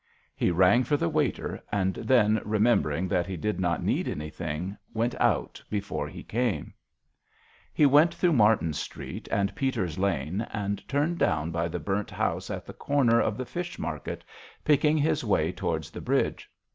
He rang for the waiter, and then, remembering that he did not need anything, went out before he came. JOHN SHERMAN. He went through Martin's Street, and Peter's Lane, and turned down by the burnt house at the corner of the fish market, picking his way towards the bridge.